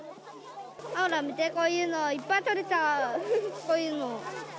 ほら見て、こういうの、いっぱい取れたー。こういうの。